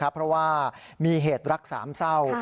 เพราะว่ามีเหตุรักสามเศร้า